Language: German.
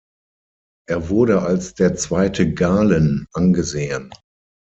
Er wurde als der „zweite Galen“ angesehen.